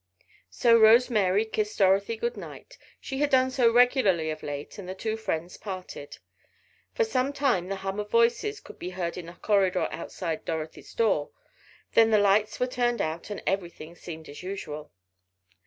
So Rose Mary kissed Dorothy good night she had done so regularly of late, and the two friends parted. For some time the hum of voices could be heard in the corridor outside Dorothy's door, then the lights were turned out and everything seemed as usual.